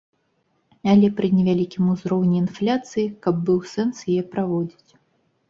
Але пры невялікім узроўні інфляцыі, каб быў сэнс яе праводзіць.